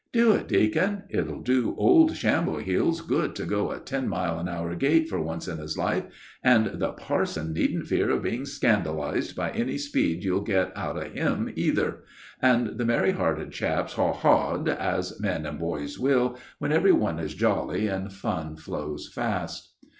"Do it, deacon: it'll do old shamble heels good to go a ten mile an hour gait for once in his life, and the parson needn't fear of being scandalized by any speed you'll get out of him, either;" and the merry chaps haw hawed as men and boys will, when every one is jolly and fun flows fast.